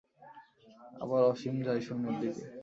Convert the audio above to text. আবার অসীম যায় শূন্যের দিকে।